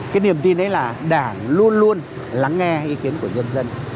cái niềm tin ấy là đảng luôn luôn lắng nghe ý kiến của nhân dân